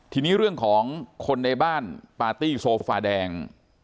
ทีนี้เรื่องของคนในบ้านปาร์ตี้โซฟาแดง